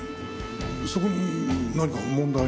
そこに何か問題が？